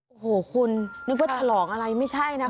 โอ้โหคุณนึกว่าฉลองอะไรไม่ใช่นะคะ